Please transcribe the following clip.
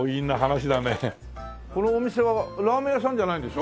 このお店はラーメン屋さんじゃないんでしょ？